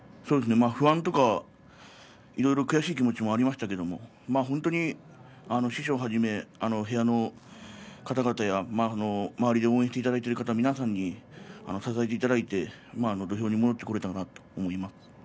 不安とかいろいろ悔しい気持ちもありましたけれど本当に師匠はじめ部屋の方々や周りで応援してくださる方々に支えていただいて土俵に戻ってこられたなと思っています。